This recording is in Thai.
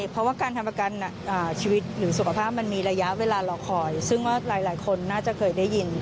เพราะว่าการทำประกันชีวิตหรือสุขภาพมันมีระยะเวลารอคอยซึ่งว่าหลายคนน่าจะเคยได้ยิน